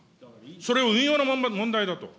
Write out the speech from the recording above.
それを運用の問題だと。